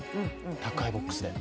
宅配ボックスで。